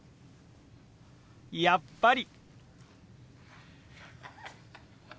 やっぱり！